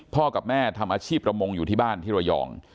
กับแม่ทำอาชีพประมงอยู่ที่บ้านที่ระยอง